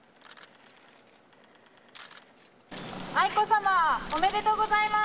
愛子さま、おめでとうございます。